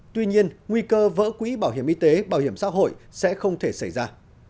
tuy nhiên nguy cơ vỡ quỹ bảo hiểm y tế bảo hiểm xã hội sẽ không thể xảy ra